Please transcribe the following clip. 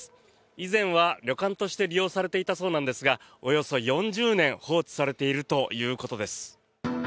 以前は旅館として利用されていたそうなんですがおよそ４０年放置されているということです。